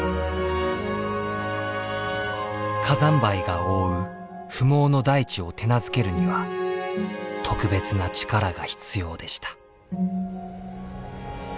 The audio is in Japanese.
火山灰が覆う不毛の大地を手なずけるには特別な力が必要でした。